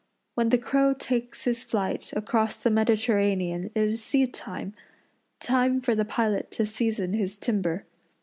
When the crow takes his flight across the Mediterranean it is seed time time for the pilot to season his timber.